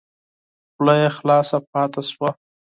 خوله یې خلاصه پاته شوه !